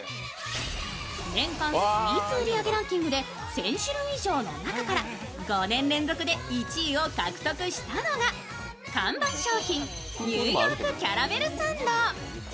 年間スイーツ売り上げランキングで１０００種類以上の中から５年連続で１位を獲得したのが看板商品、Ｎ．Ｙ．キャラメルサンド。